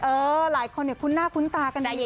เออหลายคนคุ้นหน้าคุ้นตากันอีกแล้ว